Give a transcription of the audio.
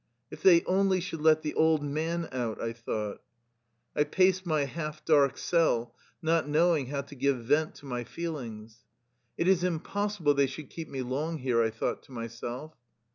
" If they only should let the old man out," I thought. I paced my half dark cell, not knowing how to give vent to my feelings. 65 THE LIFE STORY OF A RUSSIAN EXILE " It is impossible they should keep me long here," I thought to myself.